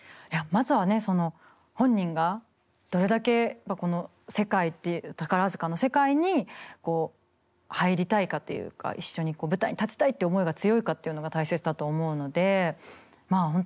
いやまずはねその本人がどれだけこの世界宝塚の世界にこう入りたいかというか一緒に舞台に立ちたいって思いが強いかっていうのが大切だと思うのでまあ